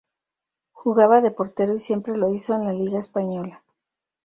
Jugaba de portero y siempre lo hizo en la Liga Española.